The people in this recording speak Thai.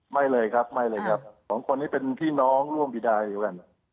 ไม่เลยครับไม่เลยครับสองคนนี้เป็นพี่น้องร่วมบีดาอยู่กัน